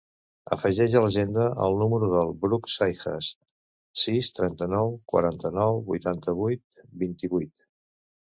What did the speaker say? Afegeix a l'agenda el número del Bruc Seijas: sis, trenta-nou, quaranta-nou, vuitanta-vuit, vint-i-vuit.